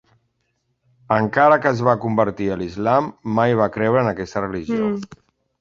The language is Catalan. Encara que es va convertir a l'islam, mai va creure en aquesta religió.